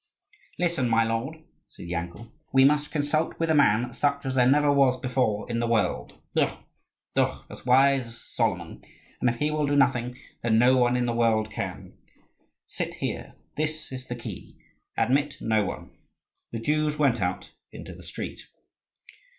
"Listen, my lord!" said Yankel. "We must consult with a man such as there never was before in the world... ugh, ugh! as wise as Solomon; and if he will do nothing, then no one in the world can. Sit here: this is the key; admit no one." The Jews went out into the street.